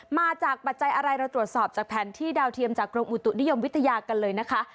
ปัจจัยอะไรเราตรวจสอบจากแผนที่ดาวเทียมจากกรมอุตุนิยมวิทยากันเลยนะคะ